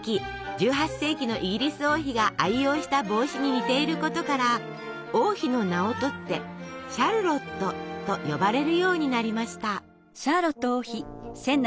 １８世紀のイギリス王妃が愛用した帽子に似ていることから王妃の名をとって「シャルロット」と呼ばれるようになりました。